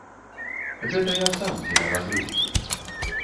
Гэта я сам дзеля разрыўкі.